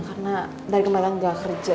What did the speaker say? karena dari kemarin aku gak kerja